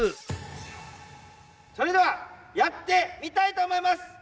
それではやってみたいと思います！